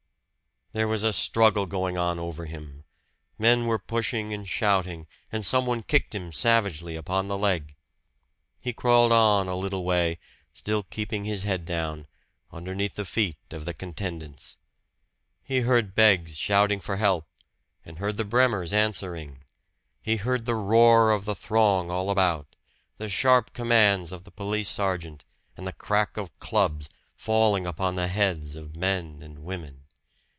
There was a struggle going on over him. Men were pushing and shouting and some one kicked him savagely upon the leg. He crawled on a little way, still keeping his head down, underneath the feet of the contendents. He heard Beggs shouting for help, and heard the Bremers answering; he heard the roar of the throng all about, the sharp commands of the police sergeant, and the crack of clubs, falling upon the heads of men and women.